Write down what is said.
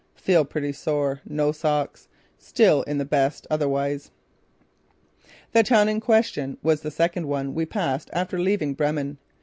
Feet pretty sore. No socks. Still in the best otherwise." The town in question was the second one we passed after leaving Bremen.